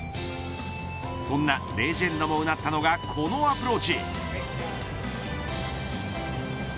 そんなレジェンドもうなったのがこのアプローチ。